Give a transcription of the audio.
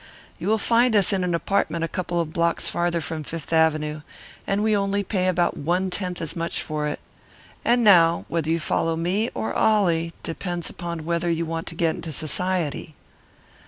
You will find us in an apartment a couple of blocks farther from Fifth Avenue, and we only pay about one tenth as much for it. And now, whether you follow me or Ollie depends upon whether you want to get into Society."